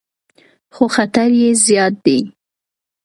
خو خطر یې زیات دی.